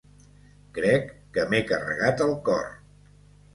Crec que m'he carregat el cor.